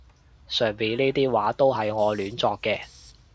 上面呢啲話都係我亂作嘅